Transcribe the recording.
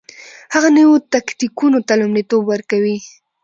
هغوی نویو تکتیکونو ته لومړیتوب ورکوي